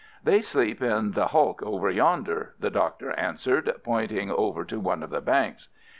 "They sleep in the hulk over yonder," the Doctor answered, pointing over to one of the banks.